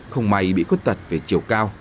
không may bị khuyết tật về chiều cao